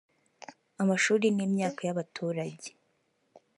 amashuri n’imyaka y’abaturage"